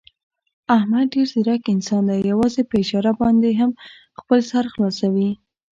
احمد ډېر ځیرک انسان دی، یووازې په اشاره باندې هم خپل سر خلاصوي.